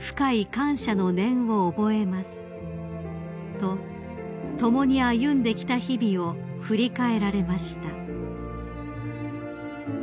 ［と共に歩んできた日々を振り返られました］